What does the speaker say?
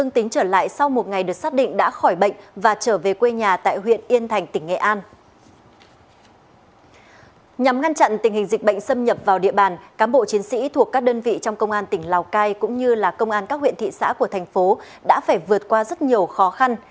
trong khi dịch bệnh xâm nhập vào địa bàn cán bộ chiến sĩ thuộc các đơn vị trong công an tỉnh lào cai cũng như là công an các huyện thị xã của thành phố đã phải vượt qua rất nhiều khó khăn